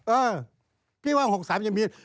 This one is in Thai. เออพี่ว่า๖๓ยังมี